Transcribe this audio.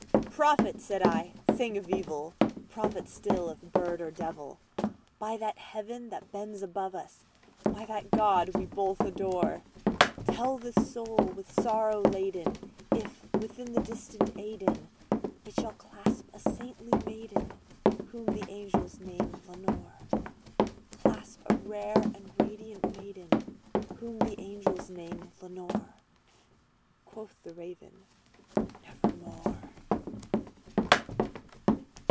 "Prophet!" said I, "thing of evil—prophet still, if bird or devil! By that Heaven that bends above us, by that God we both adore, Tell this soul with sorrow laden if, within the distant Aidenn, It shall clasp a sainted maiden whom the angels name Lenore:Clasp a rare and radiant maiden whom the angels name Lenore!"Quoth the Raven, "Nevermore."